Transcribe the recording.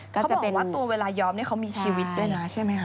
เขาบอกว่าตัวเวลาย้อมเขามีชีวิตด้วยนะใช่ไหมค